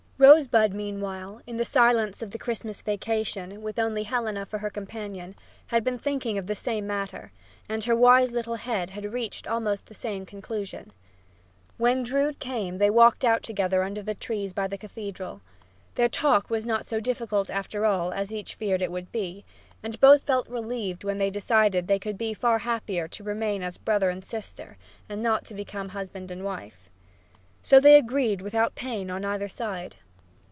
Rosebud, meanwhile, in the silence of the Christmas vacation, with only Helena for her companion, had been thinking of the same matter, and her wise little head had reached almost the same conclusion. When Drood came they walked out together under the trees by the cathedral. Their talk was not so difficult after all as each had feared it would be, and both felt relieved when they decided they could be far happier to remain as brother and sister, and not become husband and wife. So they agreed without pain on either side.